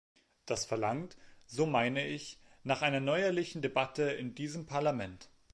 Das verlangt, so meine ich, nach einer neuerlichen Debatte in diesem Parlament.